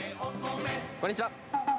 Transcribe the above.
こんにちは。